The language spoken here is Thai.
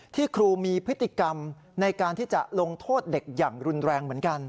ครูมีพฤติกรรมในการที่จะลงโทษเด็กอย่างรุนแรงเหมือนกัน